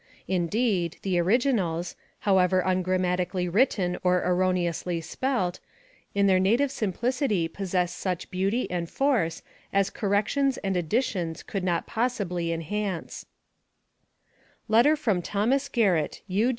Indeed, the originals, however ungrammatically written or erroneously spelt, in their native simplicity possess such beauty and force as corrections and additions could not possibly enhance LETTER FROM THOMAS GARRETT (U.